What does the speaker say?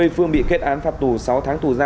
phương bị kết án phạp tù sáu tháng tù gia